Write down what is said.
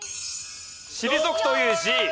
「退く」という字。